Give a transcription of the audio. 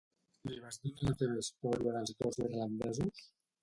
Li vas donar la teva història dels dos irlandesos?